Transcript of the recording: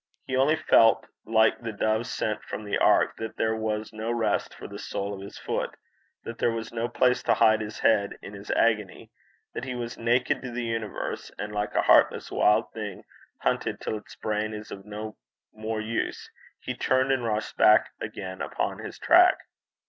He only felt like the dove sent from the ark, that there was no rest for the sole of his foot, that there was no place to hide his head in his agony that he was naked to the universe; and like a heartless wild thing hunted till its brain is of no more use, he turned and rushed back again upon his track.